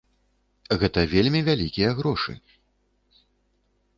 Гэта вельмі вялікія грошы!